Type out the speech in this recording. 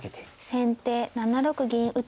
先手７六銀打。